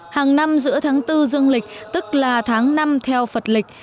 hàng năm giữa tháng bốn dương lịch tức là tháng năm theo phật lịch